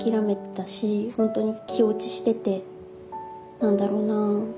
何だろうな。